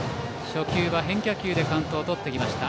初球は変化球でカウントをとってきました。